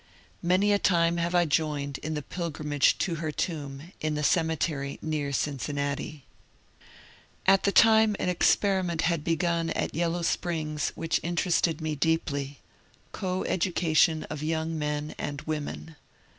Many a time have I joined in the pilgrimage to her tomb in the cemetery near Cincinnati.^ At that time an experiment had begun at Yellow Springs which interested me deeply — coeducation of young men and women.